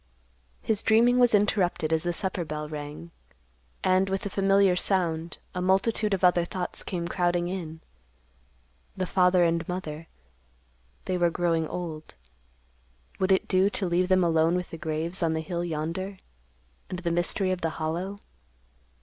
His dreaming was interrupted as the supper bell rang, and, with the familiar sound, a multitude of other thoughts came crowding in; the father and mother—they were growing old. Would it do to leave them alone with the graves on the hill yonder, and the mystery of the Hollow?